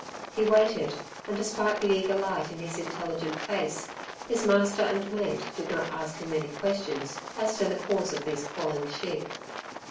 He waited, and despite the eager light in his intelligent face, his master and mate did not ask him any questions as to the cause of these calling sheep.